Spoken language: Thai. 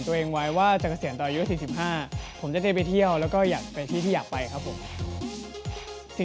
กินได้อย่างเดียวก็คือมะม่วงเหมือนกัน